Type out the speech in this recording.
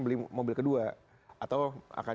beli mobil kedua atau akan